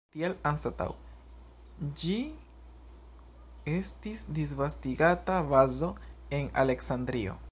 Tial anstataŭ ĝi estis disvastigata bazo en Aleksandrio.